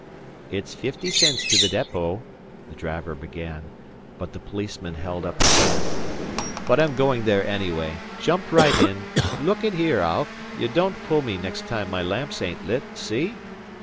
"It's fifty cents to the depot" the driver began, but the policeman held up his hand "but I'm goin' there anyway. Jump right in. Look at here, Al; you don't pull me next time my lamps ain't lit. See?"